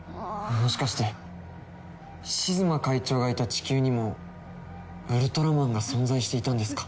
もしかしてシズマ会長がいた地球にもウルトラマンが存在していたんですか？